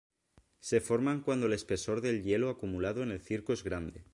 Se forman cuando el espesor del hielo acumulado en el circo es grande.